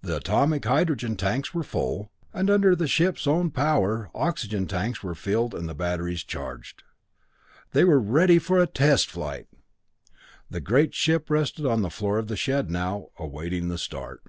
The atomic hydrogen tanks were full, and under the ship's own power the oxygen tanks were filled and the batteries charged. They were ready for a test flight! The great ship rested on the floor of the shed now, awaiting the start.